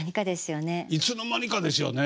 いつの間にかですよね。